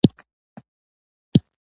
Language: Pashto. زه د چنګۍ د سېبو په باغ کي یم.